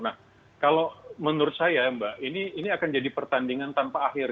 nah kalau menurut saya mbak ini akan jadi pertandingan tanpa akhir